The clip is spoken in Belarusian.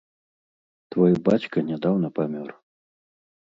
Твой бацька нядаўна памёр.